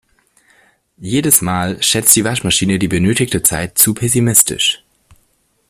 Jedes Mal schätzt die Waschmaschine die benötigte Zeit zu pessimistisch.